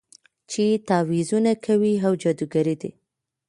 چې تعويذونه کوي او جادوګرې دي.